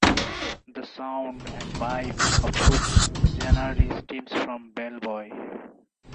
The sound and vibe of Hook generally stems from Bellboy.